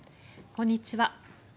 こんにちは。